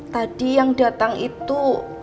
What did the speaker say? tadi yang datang itu